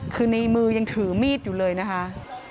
คือในมือยังถือมีดอยู่เลยนะคะ